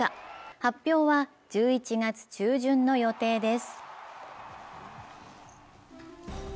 発表は１１月中旬の予定です。